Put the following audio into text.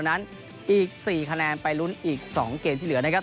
นั้นอีก๔คะแนนไปลุ้นอีก๒เกมที่เหลือนะครับ